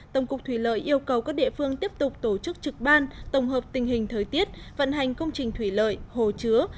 tổng cục thủy lợi yêu cầu các địa phương tiếp tục tổ chức trực ban tổng hợp tình hình thời tiết vận hành công trình thủy lợi hồ chứa